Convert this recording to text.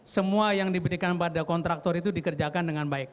semua yang diberikan pada kontraktor itu dikerjakan dengan baik